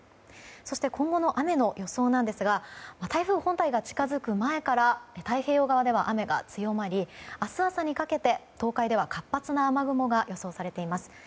そして、今後の雨の予想ですが台風本体が近づく前では太平洋側では雨が強まり、明日朝にかけ東海では活発な雨雲が予想されています。